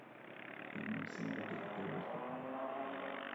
هرنام سینګه د لیدلو لپاره راغی.